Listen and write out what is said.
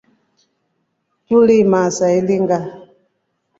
Tulimaa saa ilinga.